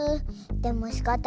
でもしかたない。